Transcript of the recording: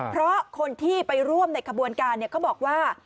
เพราะคนที่ไปร่วมในขบวนการเขาบอกว่า